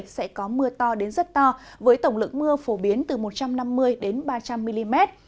sẽ có mưa to đến rất to với tổng lượng mưa phổ biến từ một trăm năm mươi đến ba trăm linh mm